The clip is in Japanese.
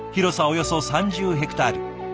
およそ３０ヘクタール。